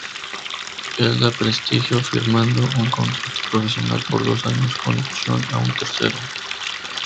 Elda Prestigio, firmando un contrato profesional por dos años con opción a un tercero.